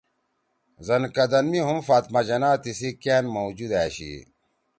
زنکدن می ہُم فاطمہ جناح تیِسی کأن موجود أشی